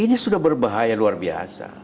ini sudah berbahaya luar biasa